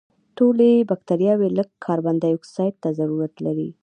ټولې بکټریاوې لږ کاربن دای اکسایډ ته ضرورت لري.